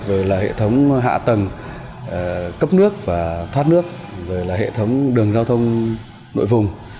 rồi là hệ thống hạ tầng cấp nước và thoát nước rồi là hệ thống đường giao thông nội vùng